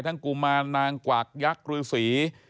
ทั้งกุมารนางกวักยักษ์รื้อสี